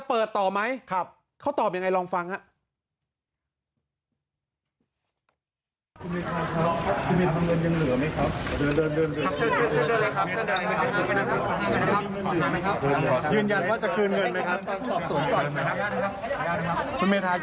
คุณเมธากโทษทีครับอันนี้หลายคนสงสัยว่าทำไมเราถือจับมาที่นี่ครับ